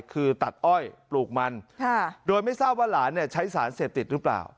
คือตัดอ้อยปลูกมันโดยไม่ทราบว่าหลานใช้สารเสพติดหรือเปล่า